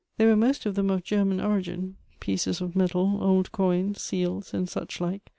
They were most of them of German ori gin — pieces of metal, old coins, seals, and such like.